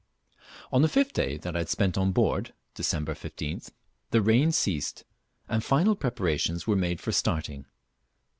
On the fifth day that I had spent on board (Dec. 15th) the rain ceased, and final preparations were made for starting.